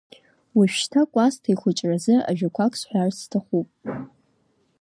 Уажәшьҭа Кәасҭа ихәыҷразы ажәақәак сҳәарц сҭахуп.